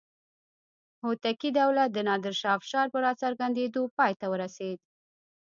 هوتکي دولت د نادر شاه افشار په راڅرګندېدو پای ته ورسېد.